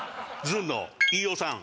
ずんの飯尾さん。